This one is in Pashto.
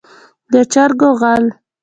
د چرګو غل.